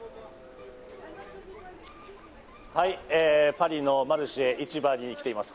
パリのマルシェ、市場に来ています。